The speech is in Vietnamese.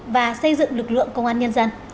và xây dựng lực lượng công an nhân dân